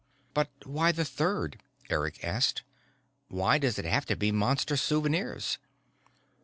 "But why the third?" Eric asked. "Why does it have to be Monster souvenirs?"